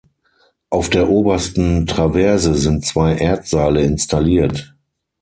Auf der obersten Traverse sind zwei Erdseile installiert.